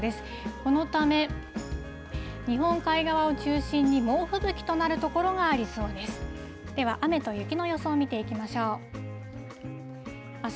このため、日本海側を中心に猛吹雪となる所がありそうです。